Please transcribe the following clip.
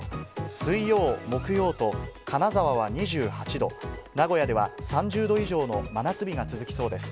水曜、木曜と、金沢は２８度、名古屋では３０度以上の真夏日が続きそうです。